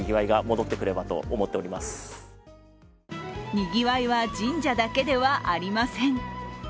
にぎわいは神社だけではありません。